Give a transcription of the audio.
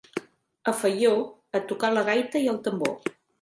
A Faió, a tocar la gaita i el tambor.